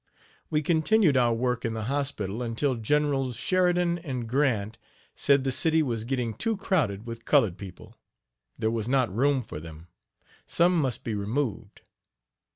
We continued our work in the hospital until Generals Sheridan and Grant said the city was getting too crowded with colored people there was not room for them; some must be removed.